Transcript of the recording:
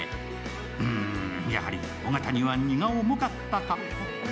うーん、やはり尾形には荷が重かったか。